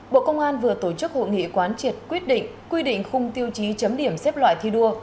bộ công an vừa tổ chức hội nghị quán triệt quyết định quy định khung tiêu chí chấm điểm xếp loại thi đua